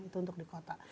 itu untuk di kota